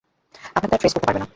আপনাকে তারা ট্রেস করতে পারবে না।